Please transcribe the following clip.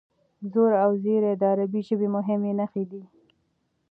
زور او زېر د عربي ژبې مهمې نښې دي.